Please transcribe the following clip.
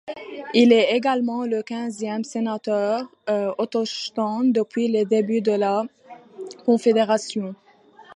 Il est également le quinzième sénateur autochtone depuis les débuts de la Confédération.